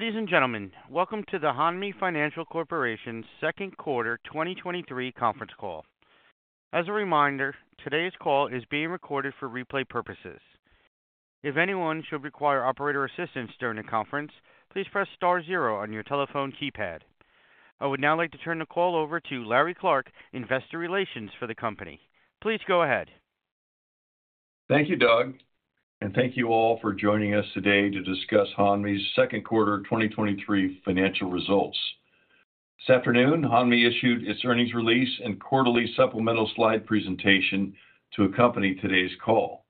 Ladies and gentlemen, welcome to the Hanmi Financial Corporation's 2nd quarter 2023 conference call. As a reminder, today's call is being recorded for replay purposes. If anyone should require operator assistance during the conference, please press *0 on your telephone keypad. I would now like to turn the call over to Larry Clark, investor relations for the company. Please go ahead. Thank you, Doug, thank you all for joining us today to discuss Hanmi's second quarter 2023 financial results. This afternoon, Hanmi issued its earnings release and quarterly supplemental slide presentation to accompany today's call.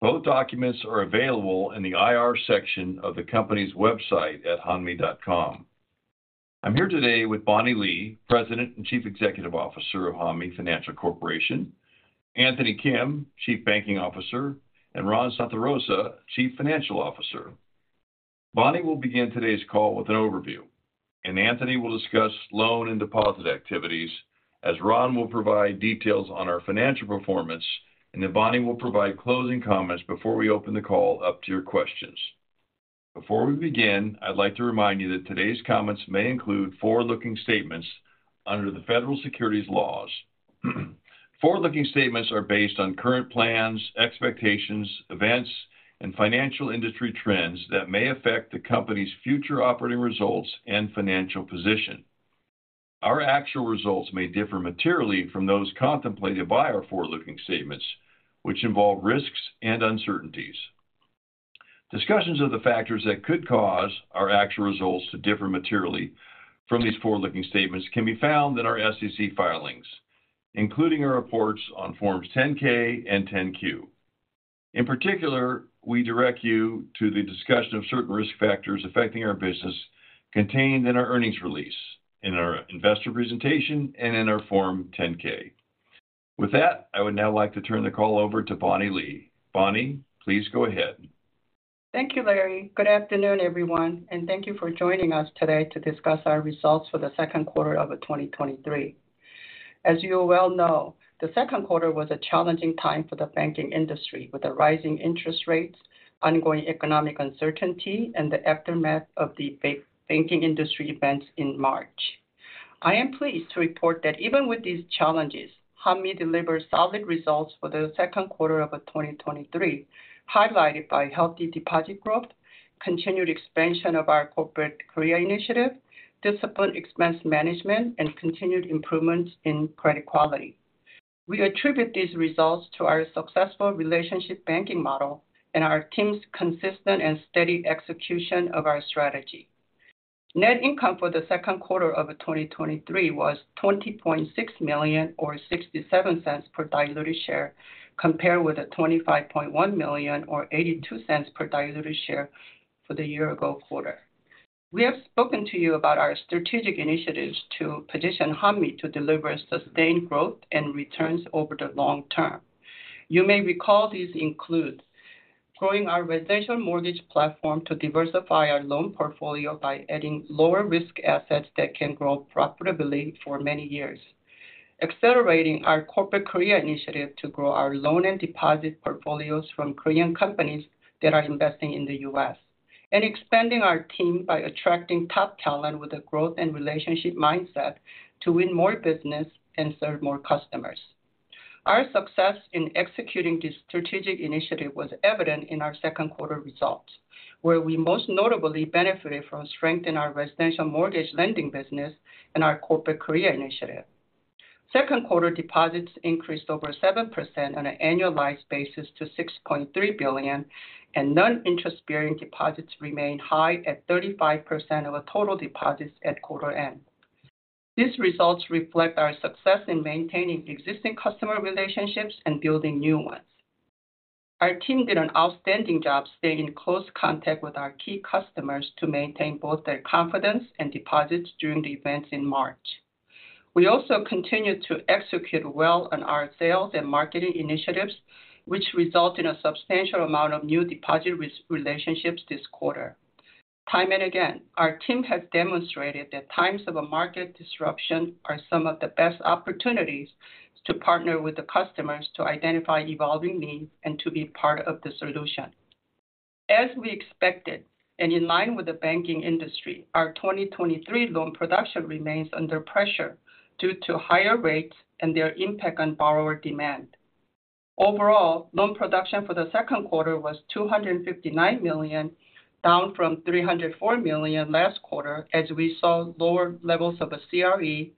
Both documents are available in the IR section of the company's website at hanmi.com. I'm here today with Bonnie Lee, President and Chief Executive Officer of Hanmi Financial Corporation, Anthony Kim, Chief Banking Officer, and Ron Santarosa, Chief Financial Officer. Bonnie will begin today's call with an overview, Anthony will discuss loan and deposit activities, as Ron will provide details on our financial performance, Bonnie will provide closing comments before we open the call up to your questions. Before we begin, I'd like to remind you that today's comments may include forward-looking statements under the Federal securities laws. Forward-looking statements are based on current plans, expectations, events, and financial industry trends that may affect the company's future operating results and financial position. Our actual results may differ materially from those contemplated by our forward-looking statements, which involve risks and uncertainties. Discussions of the factors that could cause our actual results to differ materially from these forward-looking statements can be found in our SEC filings, including our reports on Forms 10-K and 10-Q. In particular, we direct you to the discussion of certain risk factors affecting our business contained in our earnings release, in our investor presentation, and in our Form 10-K. With that, I would now like to turn the call over to Bonnie Lee. Bonnie, please go ahead. Thank you, Larry. Good afternoon, everyone, and thank you for joining us today to discuss our results for the second quarter of 2023. As you well know, the second quarter was a challenging time for the banking industry, with the rising interest rates, ongoing economic uncertainty, and the aftermath of the banking industry events in March. I am pleased to report that even with these challenges, Hanmi delivered solid results for the second quarter of 2023, highlighted by healthy deposit growth, continued expansion of our Corporate Korea initiative, disciplined expense management, and continued improvements in credit quality. We attribute these results to our successful relationship banking model and our team's consistent and steady execution of our strategy. Net income for the second quarter of 2023 was $20.6 million, or $0.67 per diluted share, compared with a $25.1 million, or $0.82 per diluted share for the year ago quarter. We have spoken to you about our strategic initiatives to position Hanmi to deliver sustained growth and returns over the long term. You may recall these includes: growing our residential mortgage platform to diversify our loan portfolio by adding lower-risk assets that can grow profitably for many years, accelerating our Corporate Korea initiative to grow our loan and deposit portfolios from Korean companies that are investing in the U.S., and expanding our team by attracting top talent with a growth and relationship mindset to win more business and serve more customers. Our success in executing this strategic initiative was evident in our second quarter results, where we most notably benefited from strength in our residential mortgage lending business and our Corporate Korea initiative. Second quarter deposits increased over 7% on an annualized basis to $6.3 billion, and non-interest-bearing deposits remained high at 35% of our total deposits at quarter end. These results reflect our success in maintaining existing customer relationships and building new ones. Our team did an outstanding job staying in close contact with our key customers to maintain both their confidence and deposits during the events in March. We also continued to execute well on our sales and marketing initiatives, which resulted in a substantial amount of new deposit relationships this quarter. Time and again, our team has demonstrated that times of a market disruption are some of the best opportunities to partner with the customers to identify evolving needs and to be part of the solution. As we expected, and in line with the banking industry, our 2023 loan production remains under pressure due to higher rates and their impact on borrower demand. Overall, loan production for the second quarter was $259 million, down from $304 million last quarter, as we saw lower levels of a CRE,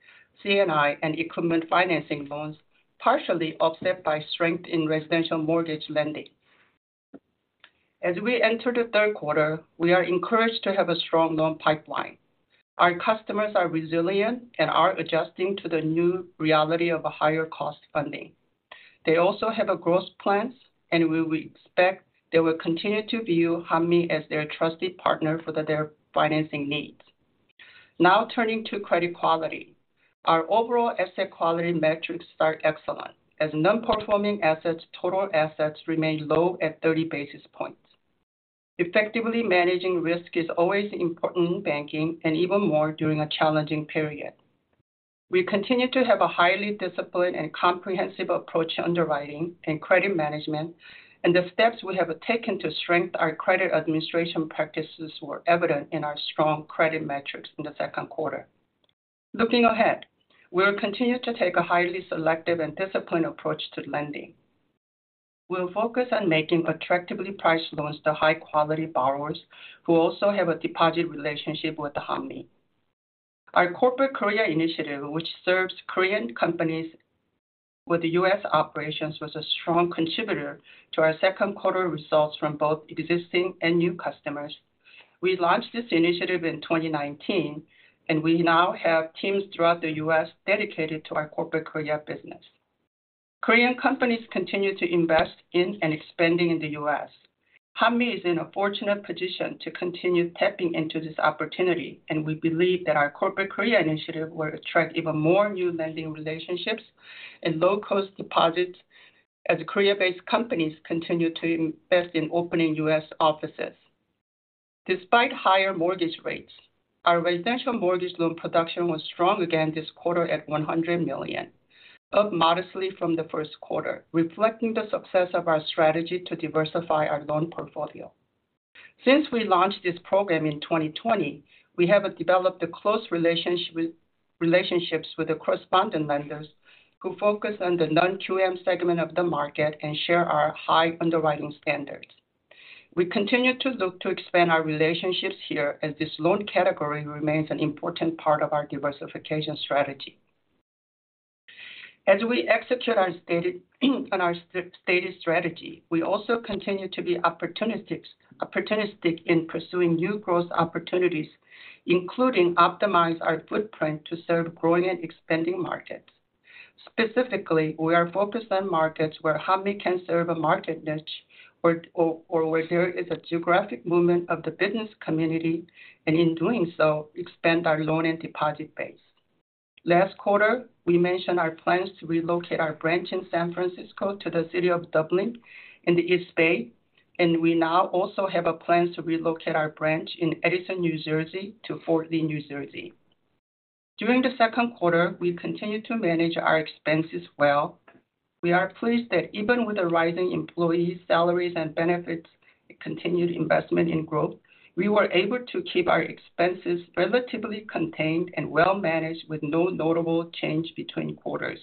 C&I, and equipment financing loans, partially offset by strength in residential mortgage lending. As we enter the third quarter, we are encouraged to have a strong loan pipeline. Our customers are resilient and are adjusting to the new reality of a higher cost funding. They also have a growth plans. We expect they will continue to view Hanmi as their trusted partner for their financing needs. Now, turning to credit quality. Our overall asset quality metrics are excellent, as non-performing assets, total assets remain low at 30 basis points. Effectively managing risk is always important in banking and even more during a challenging period. We continue to have a highly disciplined and comprehensive approach to underwriting and credit management, and the steps we have taken to strengthen our credit administration practices were evident in our strong credit metrics in the second quarter. Looking ahead, we'll continue to take a highly selective and disciplined approach to lending. We'll focus on making attractively priced loans to high-quality borrowers who also have a deposit relationship with the Hanmi. Our Corporate Korea initiative, which serves Korean companies with the US operations, was a strong contributor to our second quarter results from both existing and new customers. We launched this initiative in 2019, and we now have teams throughout the US dedicated to our Corporate Korea business. Korean companies continue to invest in and expanding in the U.S. Hanmi is in a fortunate position to continue tapping into this opportunity, and we believe that our Corporate Korea initiative will attract even more new lending relationships and low-cost deposits as Korea-based companies continue to invest in opening US offices. Despite higher mortgage rates, our residential mortgage loan production was strong again this quarter at $100 million, up modestly from the first quarter, reflecting the success of our strategy to diversify our loan portfolio. Since we launched this program in 2020, we have developed a close relationships with the correspondent lenders who focus on the non-QM segment of the market and share our high underwriting standards. We continue to look to expand our relationships here, as this loan category remains an important part of our diversification strategy. We execute on our stated strategy, we also continue to be opportunistic in pursuing new growth opportunities, including optimize our footprint to serve growing and expanding markets. Specifically, we are focused on markets where Hanmi can serve a market niche or where there is a geographic movement of the business community, and in doing so, expand our loan and deposit base. Last quarter, we mentioned our plans to relocate our branch in San Francisco to the city of Dublin in the East Bay, and we now also have a plan to relocate our branch in Edison, New Jersey, to Fort Lee, New Jersey. During the second quarter, we continued to manage our expenses well. We are pleased that even with the rising employee salaries and benefits and continued investment in growth, we were able to keep our expenses relatively contained and well managed, with no notable change between quarters.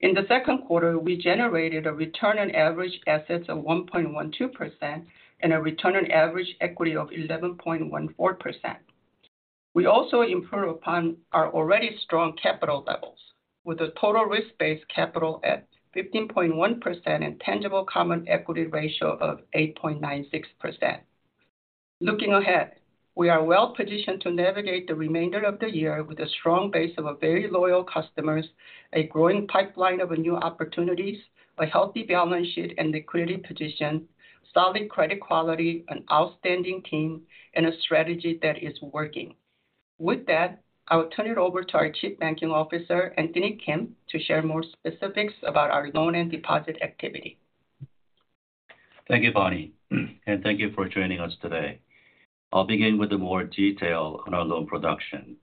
In the second quarter, we generated a return on average assets of 1.12% and a return on average equity of 11.14%. We also improved upon our already strong capital levels, with a total risk-based capital at 15.1% and tangible common equity ratio of 8.96%. Looking ahead, we are well positioned to navigate the remainder of the year with a strong base of a very loyal customers, a growing pipeline of new opportunities, a healthy balance sheet and liquidity position, solid credit quality, an outstanding team, and a strategy that is working. With that, I will turn it over to our Chief Banking Officer, Anthony Kim, to share more specifics about our loan and deposit activity. Thank you, Bonnie, thank you for joining us today. I'll begin with the more detail on our loan production.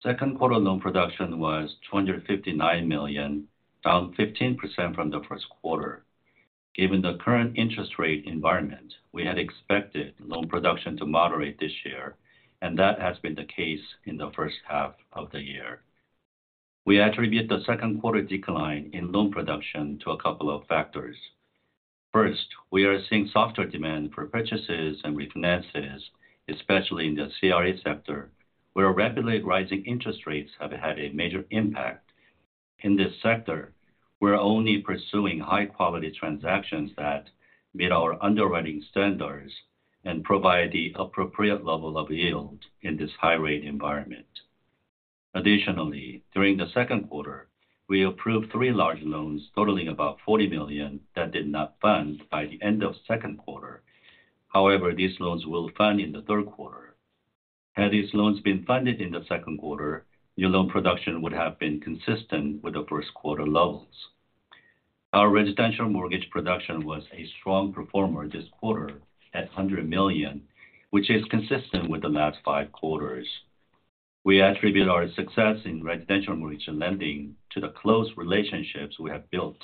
Second quarter loan production was $259 million, down 15% from the first quarter. Given the current interest rate environment, we had expected loan production to moderate this year, and that has been the case in the first half of the year. We attribute the second quarter decline in loan production to a couple of factors. First, we are seeing softer demand for purchases and refinances, especially in the CRE sector, where rapidly rising interest rates have had a major impact. In this sector, we're only pursuing high-quality transactions that meet our underwriting standards and provide the appropriate level of yield in this high-rate environment. Additionally, during the second quarter, we approved three large loans totaling about $40 million, that did not fund by the end of second quarter. These loans will fund in the third quarter. Had these loans been funded in the second quarter, new loan production would have been consistent with the first quarter levels. Our residential mortgage production was a strong performer this quarter at $100 million, which is consistent with the last five quarters. We attribute our success in residential mortgage lending to the close relationships we have built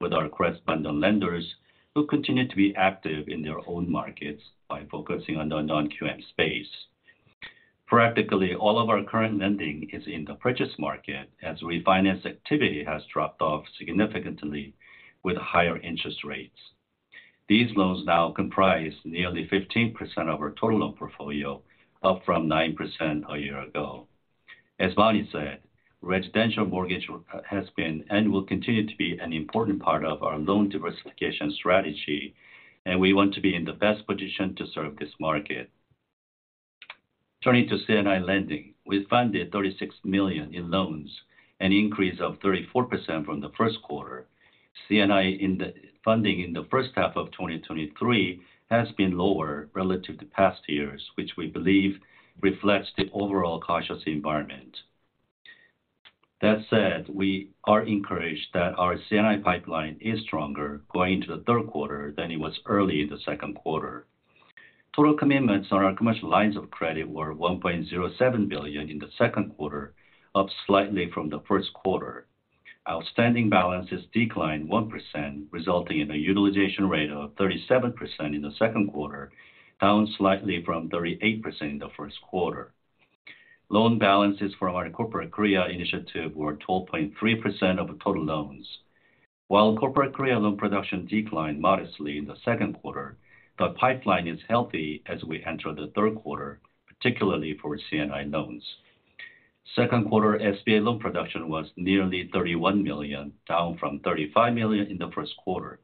with our correspondent lenders, who continue to be active in their own markets by focusing on the non-QM space. Practically all of our current lending is in the purchase market, as refinance activity has dropped off significantly with higher interest rates. These loans now comprise nearly 15% of our total loan portfolio, up from 9% a year ago. As Bonnie said, residential mortgage has been and will continue to be an important part of our loan diversification strategy. We want to be in the best position to serve this market. Turning to C&I lending, we funded $36 million in loans, an increase of 34% from the first quarter. C&I funding in the first half of 2023 has been lower relative to past years, which we believe reflects the overall cautious environment. That said, we are encouraged that our C&I pipeline is stronger going into the third quarter than it was early in the second quarter. Total commitments on our commercial lines of credit were $1.07 billion in the second quarter, up slightly from the first quarter. Outstanding balances declined 1%, resulting in a utilization rate of 37% in the second quarter, down slightly from 38% in the first quarter. Loan balances from our Corporate Korea initiative were 12.3% of total loans. While Corporate Korea loan production declined modestly in the second quarter, the pipeline is healthy as we enter the third quarter, particularly for C&I loans. Second quarter SBA loan production was nearly $31 million, down from $35 million in the first quarter.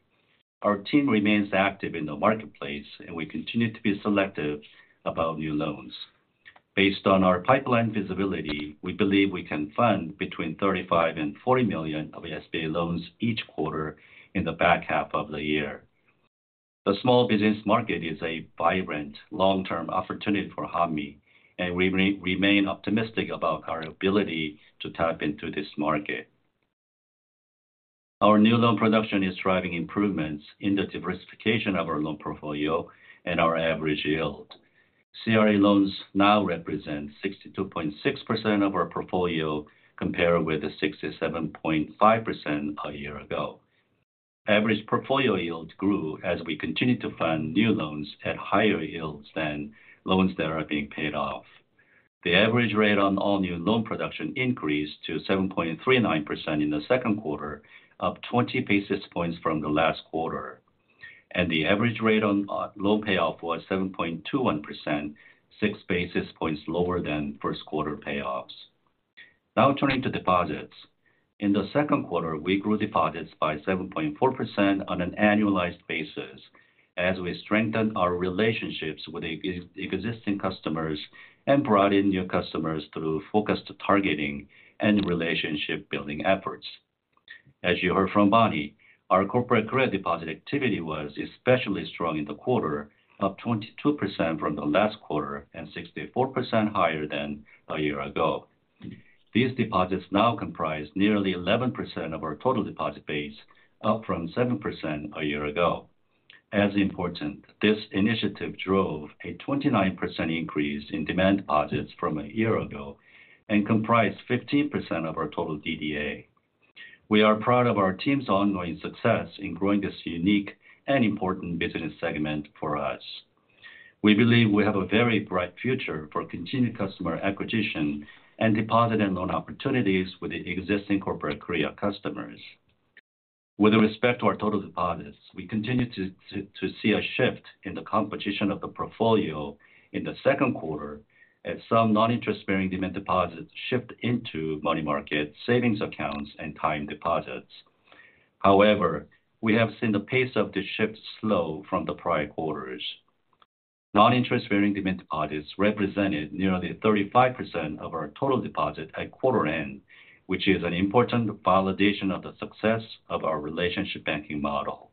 Our team remains active in the marketplace, and we continue to be selective about new loans. Based on our pipeline visibility, we believe we can fund between $35 million-$40 million of SBA loans each quarter in the back half of the year. The small business market is a vibrant long-term opportunity for Hanmi, and we remain optimistic about our ability to tap into this market. Our new loan production is driving improvements in the diversification of our loan portfolio and our average yield. CRE loans now represent 62.6% of our portfolio, compared with the 67.5% a year ago. Average portfolio yield grew as we continued to fund new loans at higher yields than loans that are being paid off. The average rate on all new loan production increased to 7.39% in the second quarter, up 20 basis points from the last quarter, and the average rate on loan payoff was 7.21%, 6 basis points lower than first quarter payoffs. Turning to deposits. In the second quarter, we grew deposits by 7.4% on an annualized basis as we strengthened our relationships with existing customers and brought in new customers through focused targeting and relationship-building efforts. As you heard from Bonnie, our corporate credit deposit activity was especially strong in the quarter, up 22% from the last quarter and 64% higher than a year ago. These deposits now comprise nearly 11% of our total deposit base, up from 7% a year ago. As important, this initiative drove a 29% increase in demand deposits from a year ago and comprised 15% of our total DDA. We are proud of our team's ongoing success in growing this unique and important business segment for us. We believe we have a very bright future for continued customer acquisition and deposit and loan opportunities with the existing Corporate Korea customers. With respect to our total deposits, we continue to see a shift in the competition of the portfolio in the second quarter as some non-interest bearing demand deposits shift into money market savings accounts and time deposits. However, we have seen the pace of the shift slow from the prior quarters. Non-interest bearing demand deposits represented nearly 35% of our total deposit at quarter end, which is an important validation of the success of our relationship banking model.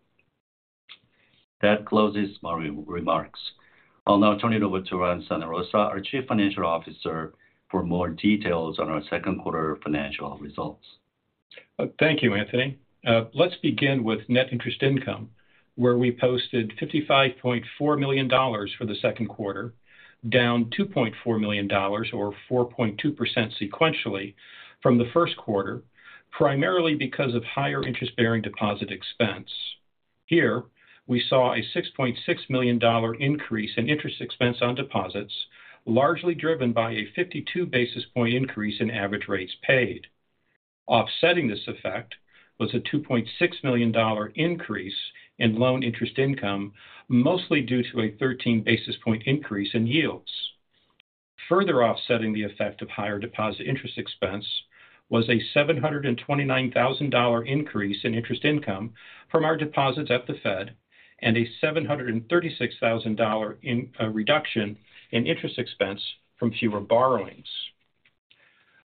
That closes my re-remarks. I'll now turn it over to Ron Santarossa, our Chief Financial Officer, for more details on our second quarter financial results. Thank you, Anthony. Let's begin with net interest income, where we posted $55.4 million for the second quarter, down $2.4 million or 4.2% sequentially from the first quarter, primarily because of higher interest-bearing deposit expense. Here, we saw a $6.6 million increase in interest expense on deposits, largely driven by a 52 basis point increase in average rates paid. Offsetting this effect was a $2.6 million increase in loan interest income, mostly due to a 13 basis point increase in yields. Further offsetting the effect of higher deposit interest expense was a $729 thousand increase in interest income from our deposits at the Fed and a $736 thousand reduction in interest expense from fewer borrowings.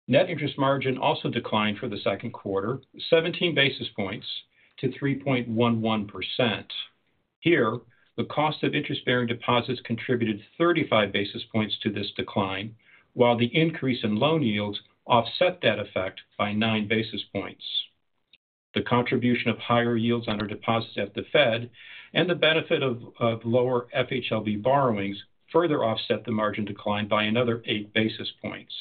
Net interest margin also declined for the second quarter, 17 basis points to 3.11%. Here, the cost of interest-bearing deposits contributed 35 basis points to this decline, while the increase in loan yields offset that effect by nine basis points. The contribution of higher yields on our deposits at the Fed and the benefit of lower FHLB borrowings further offset the margin decline by another eight basis points.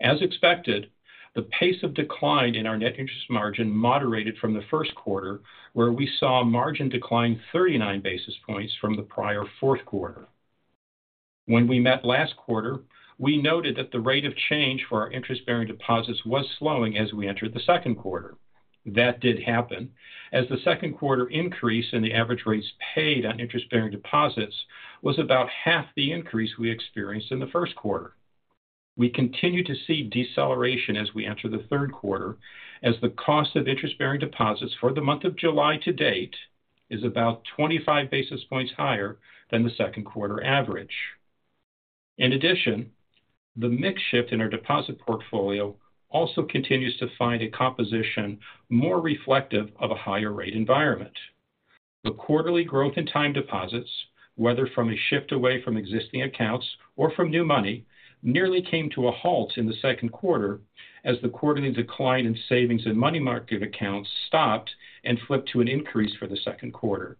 As expected, the pace of decline in our net interest margin moderated from the first quarter, where we saw a margin decline 39 basis points from the prior fourth quarter. When we met last quarter, we noted that the rate of change for our interest-bearing deposits was slowing as we entered the second quarter. That did happen, as the second quarter increase in the average rates paid on interest-bearing deposits was about half the increase we experienced in the first quarter. We continue to see deceleration as we enter the third quarter, as the cost of interest-bearing deposits for the month of July to date is about 25 basis points higher than the second quarter average. The mix shift in our deposit portfolio also continues to find a composition more reflective of a higher rate environment. The quarterly growth in time deposits, whether from a shift away from existing accounts or from new money, nearly came to a halt in the second quarter as the quarterly decline in savings and money market accounts stopped and flipped to an increase for the second quarter.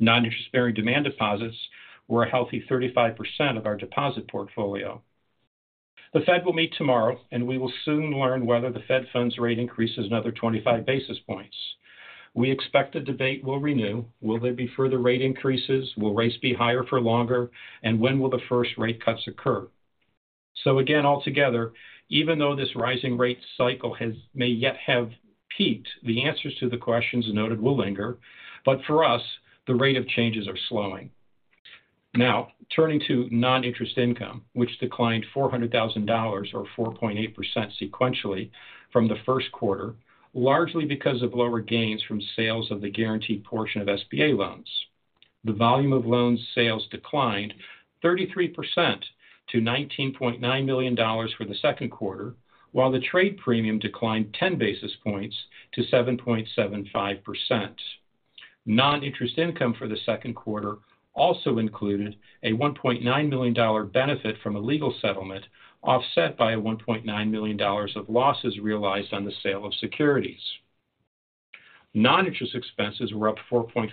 Non-interest-bearing demand deposits were a healthy 35% of our deposit portfolio. The Fed will meet tomorrow, we will soon learn whether the Fed funds rate increases another 25 basis points. We expect the debate will renew. Will there be further rate increases? Will rates be higher for longer, when will the first rate cuts occur? Again, altogether, even though this rising rate cycle may yet have peaked, the answers to the questions noted will linger. For us, the rate of changes are slowing. Now, turning to non-interest income, which declined $400,000 or 4.8% sequentially from the first quarter, largely because of lower gains from sales of the guaranteed portion of SBA loans. The volume of loans sales declined 33% to $19.9 million for the second quarter, while the trade premium declined 10 basis points to 7.75%. Non-interest income for the second quarter also included a $1.9 million benefit from a legal settlement, offset by $1.9 million of losses realized on the sale of securities. Non-interest expenses were up 4.5%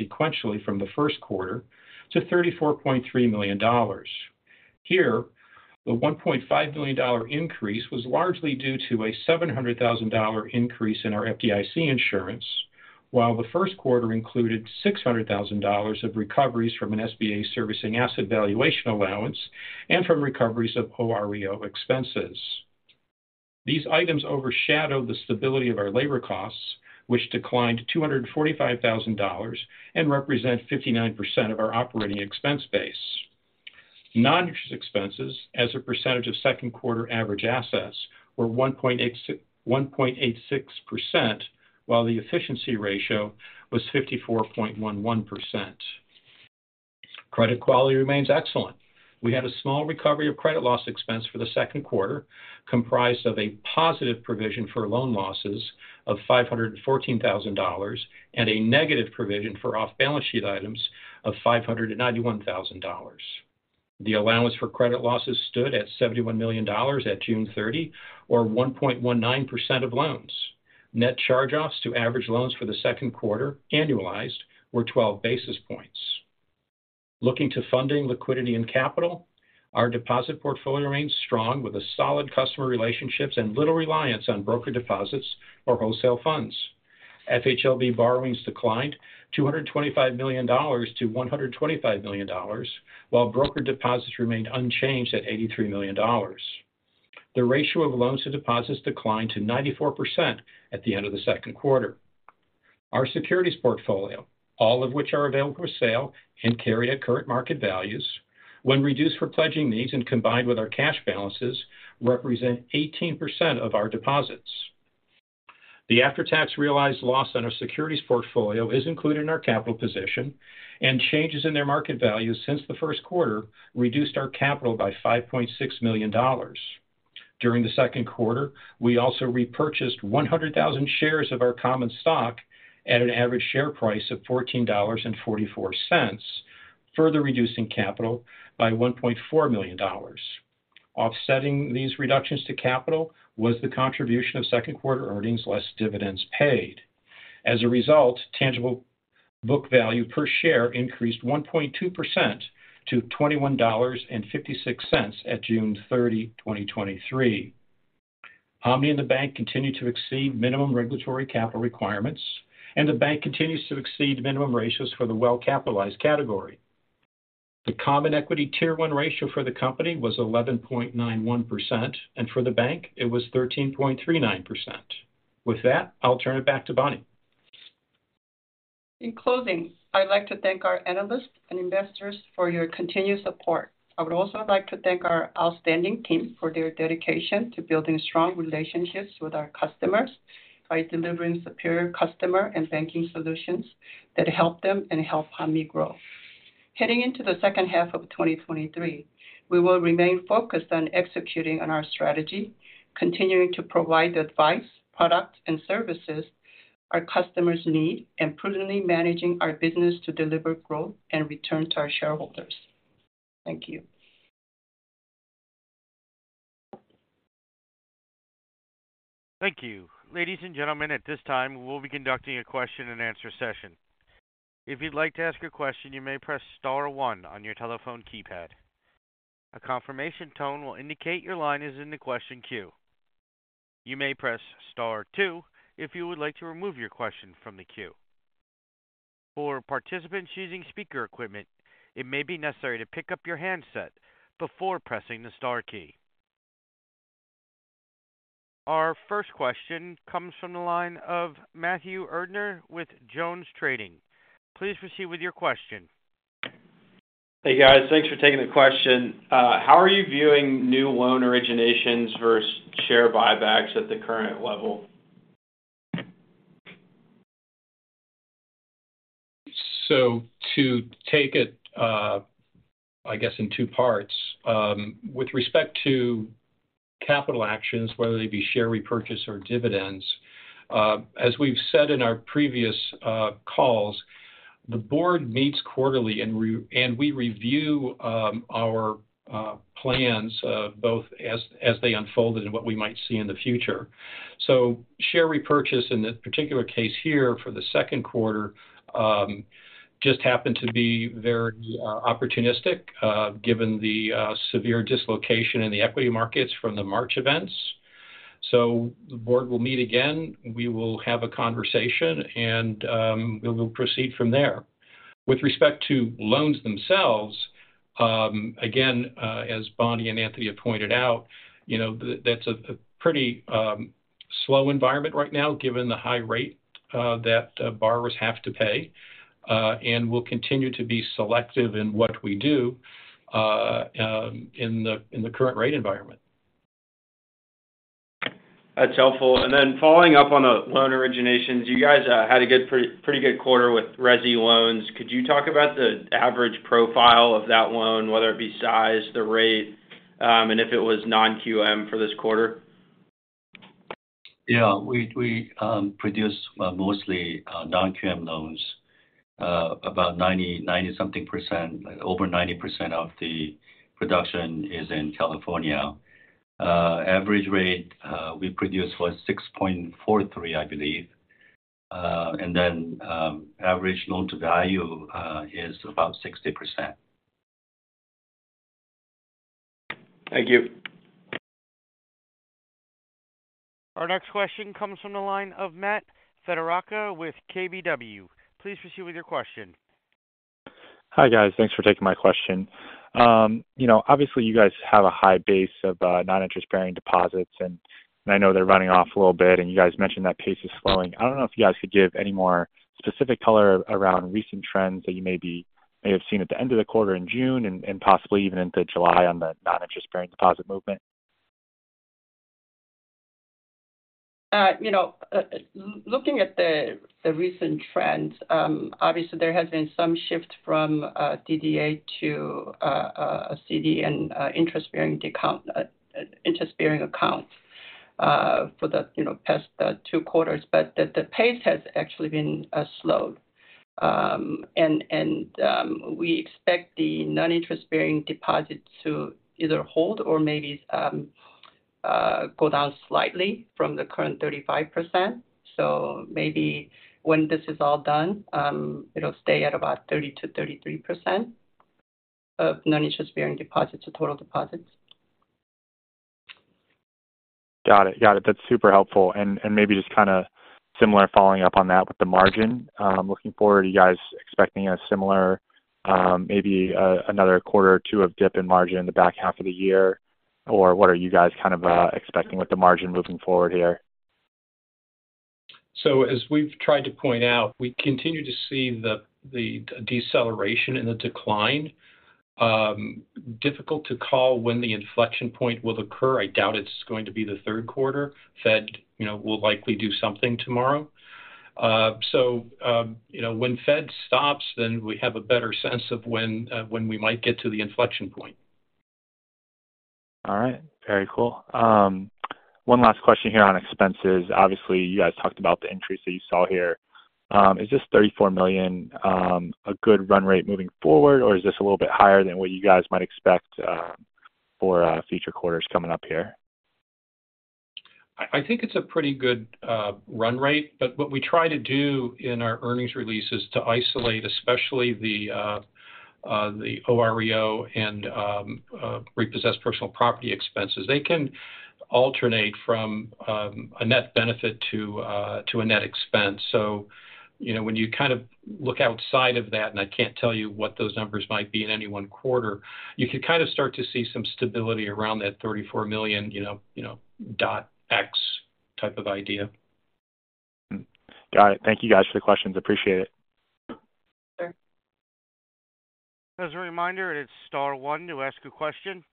sequentially from the first quarter to $34.3 million. Here, the $1.5 million increase was largely due to a $700,000 increase in our FDIC insurance, while the first quarter included $600,000 of recoveries from an SBA servicing asset valuation allowance and from recoveries of OREO expenses. These items overshadow the stability of our labor costs, which declined to $245,000 and represent 59% of our operating expense base. Non-interest expenses as a percentage of second quarter average assets were 1.86%, while the efficiency ratio was 54.11%. Credit quality remains excellent. We had a small recovery of credit loss expense for the second quarter, comprised of a positive provision for loan losses of $514,000 and a negative provision for off-balance sheet items of $591,000. The allowance for credit losses stood at $71 million at June 30, or 1.19% of loans. Net charge-offs to average loans for the second quarter, annualized, were 12 basis points. Looking to funding, liquidity, and capital, our deposit portfolio remains strong with a solid customer relationships and little reliance on broker deposits or wholesale funds. FHLB borrowings declined $225 million to $125 million, while broker deposits remained unchanged at $83 million. The ratio of loans to deposits declined to 94% at the end of the second quarter. Our securities portfolio, all of which are available for sale and carry at current market values when reduced for pledging these and combined with our cash balances, represent 18% of our deposits. The after-tax realized loss on our securities portfolio is included in our capital position, and changes in their market value since the first quarter reduced our capital by $5.6 million. During the second quarter, we also repurchased 100,000 shares of our common stock at an average share price of $14.44, further reducing capital by $1.4 million. Offsetting these reductions to capital was the contribution of second quarter earnings less dividends paid. As a result, tangible book value per share increased 1.2% to $21.56 at June 30, 2023. Hanmi and the bank continue to exceed minimum regulatory capital requirements, and the bank continues to exceed minimum ratios for the well-capitalized category. The common equity Tier 1 ratio for the company was 11.91%, and for the bank, it was 13.39%. With that, I'll turn it back to Bonnie. In closing, I'd like to thank our analysts and investors for your continued support. I would also like to thank our outstanding team for their dedication to building strong relationships with our customers by delivering superior customer and banking solutions that help them and help Hanmi grow. Heading into the second half of 2023, we will remain focused on executing on our strategy, continuing to provide the advice, products, and services our customers need, and prudently managing our business to deliver growth and return to our shareholders. Thank you. Thank you. Ladies and gentlemen, at this time, we'll be conducting a question-and-answer session. If you'd like to ask a question, you may press star one on your telephone keypad. A confirmation tone will indicate your line is in the question queue. You may press star two if you would like to remove your question from the queue. For participants using speaker equipment, it may be necessary to pick up your handset before pressing the star key. Our first question comes from the line of Matthew Erdner with Jones Trading. Please proceed with your question. Hey, guys. Thanks for taking the question. How are you viewing new loan originations versus share buybacks at the current level? To take it, I guess in two parts, with respect to capital actions, whether they be share repurchase or dividends, as we've said in our previous calls, the board meets quarterly, and we review our plans both as they unfolded and what we might see in the future. Share repurchase, in this particular case here, for the second quarter, just happened to be very opportunistic, given the severe dislocation in the equity markets from the March events. The board will meet again. We will have a conversation, and we will proceed from there. With respect to loans themselves, again, as Bonnie and Anthony have pointed out, you know, that's a pretty slow environment right now, given the high rate that borrowers have to pay. We'll continue to be selective in what we do in the current rate environment. That's helpful. Following up on the loan originations, you guys had a good, pretty good quarter with resi loans. Could you talk about the average profile of that loan, whether it be size, the rate, and if it was non-QM for this quarter? Yeah, we produce mostly non-QM loans. About 90 something percent, over 90% of the production is in California. Average rate we produce was 6.43%, I believe. Then average loan-to-value is about 60%. Thank you. Our next question comes from the line of Matt Federico with KBW. Please proceed with your question. Hi, guys. Thanks for taking my question. you know, obviously, you guys have a high base of non-interest-bearing deposits, and I know they're running off a little bit, and you guys mentioned that pace is slowing. I don't know if you guys could give any more specific color around recent trends that you maybe may have seen at the end of the quarter in June and possibly even into July on the non-interest-bearing deposit movement? You know, looking at the recent trends, obviously, there has been some shift from DDA to a CD and interest-bearing accounts for the, you know, past two quarters. The pace has actually been slowed. We expect the non-interest-bearing deposits to either hold or maybe go down slightly from the current 35%. Maybe when this is all done, it'll stay at about 30%-33% of non-interest-bearing deposits to total deposits. Got it. That's super helpful. Maybe just kind of similar following up on that with the margin. Looking forward, are you guys expecting a similar, maybe, another quarter or two of dip in margin in the back half of the year? What are you guys kind of expecting with the margin moving forward here? As we've tried to point out, we continue to see the deceleration in the decline. Difficult to call when the inflection point will occur. I doubt it's going to be the third quarter. Fed, you know, will likely do something tomorrow. You know, when Fed stops, then we have a better sense of when we might get to the inflection point. All right, very cool. one last question here on expenses. Obviously, you guys talked about the increase that you saw here. is this $34 million, a good run rate moving forward, or is this a little bit higher than what you guys might expect for future quarters coming up here? I think it's a pretty good run rate, but what we try to do in our earnings release is to isolate, especially the OREO and repossessed personal property expenses. They can alternate from a net benefit to a net expense. You know, when you kind of look outside of that, and I can't tell you what those numbers might be in any one quarter, you can kind of start to see some stability around that $34 million, you know, dot X type of idea. Got it. Thank you guys for the questions. Appreciate it. Sure. As a reminder, it's star one to ask a question.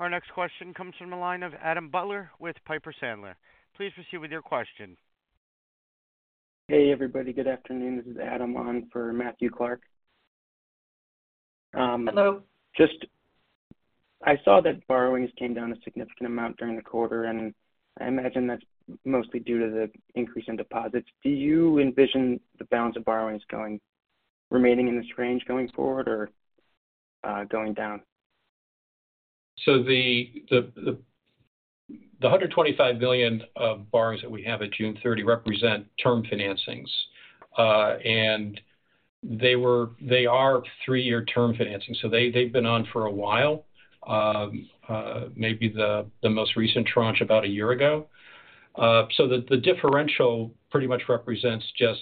Our next question comes from the line of Adam Butler with Piper Sandler. Please proceed with your question. Hey, everybody. Good afternoon. This is Adam on for Matthew Clark. Hello. I saw that borrowings came down a significant amount during the quarter, and I imagine that's mostly due to the increase in deposits. Do you envision the balance of borrowings remaining in this range going forward or going down? The $125 million of borrowings that we have at June 30 represent term financings. They are three-year term financings, they've been on for a while. Maybe the most recent tranche about a year ago. The differential pretty much represents just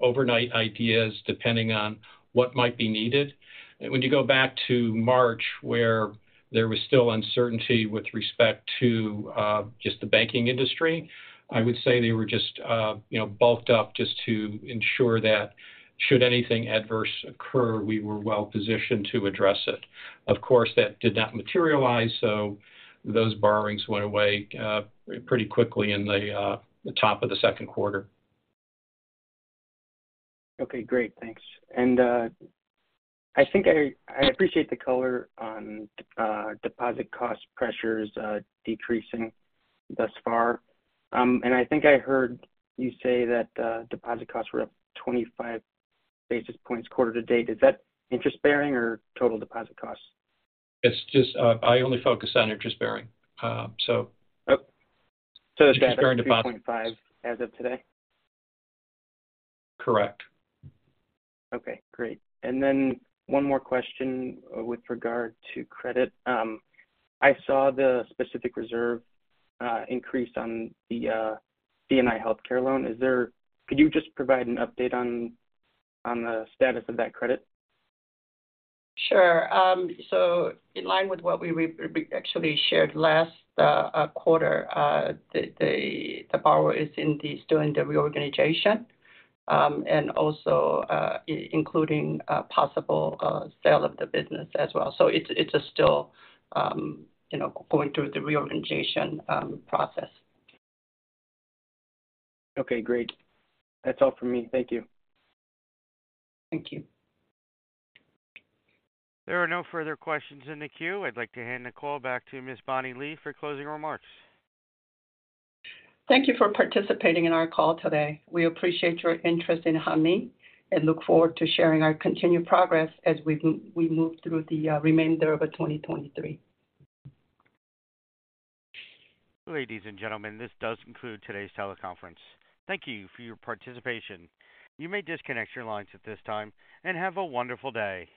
overnight ideas depending on what might be needed. When you go back to March, where there was still uncertainty with respect to just the banking industry, I would say they were just, you know, bulked up just to ensure that should anything adverse occur, we were well positioned to address it. Of course, that did not materialize, those borrowings went away pretty quickly in the top of the second quarter. Okay, great. Thanks. I think I appreciate the color on deposit cost pressures decreasing thus far. I think I heard you say that deposit costs were up 25 basis points quarter to date. Is that interest-bearing or total deposit costs? It's just, I only focus on interest-bearing. Oh, it's been 3.5 as of today? Correct. Okay, great. One more question with regard to credit. I saw the specific reserve increase on the C&I Healthcare loan. Could you just provide an update on the status of that credit? Sure. In line with what we actually shared last quarter, the borrower is indeed doing the reorganization, and also, including a possible, sale of the business as well. It's still, you know, going through the reorganization process. Okay, great. That's all for me. Thank you. Thank you. There are no further questions in the queue. I'd like to hand the call back to Ms. Bonnie Lee for closing remarks. Thank you for participating in our call today. We appreciate your interest in Hanmi and look forward to sharing our continued progress as we move through the remainder of 2023. Ladies and gentlemen, this does conclude today's teleconference. Thank you for your participation. You may disconnect your lines at this time, and have a wonderful day.